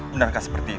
benarkah seperti itu